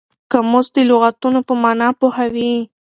قاموس د لغتونو په مانا پوهوي.